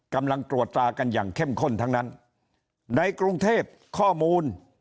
กำลังตรวจตรากันอย่างเข้มข้นทั้งนั้นในกรุงเทพข้อมูล